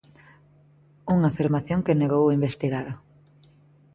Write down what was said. Unha afirmación que negou o investigado.